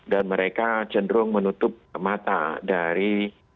dan mereka cenderung menutup mata dari